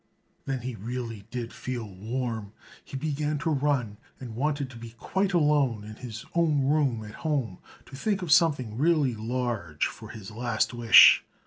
Then he really did feel warm. He began to run and wanted to be quite alone in his own room at home, to think of something really large for his last wish.